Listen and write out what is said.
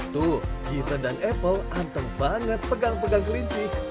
tuh gita dan apple anteng banget pegang pegang kelinci